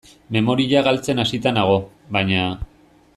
Memoria galtzen hasita nago, baina.